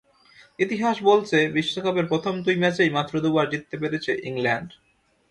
ইতিহাস বলছে, বিশ্বকাপের প্রথম দুই ম্যাচেই মাত্র দুবার জিততে পেরেছে ইংল্যান্ড।